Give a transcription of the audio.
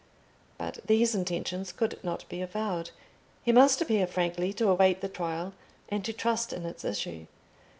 But these intentions could not be avowed: he must appear frankly to await the trial, and to trust in its issue.